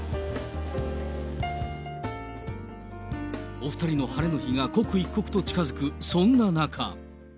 お２人の晴れの日が刻一刻と近づくそんな中。